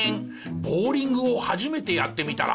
ボウリングを初めてやってみたら。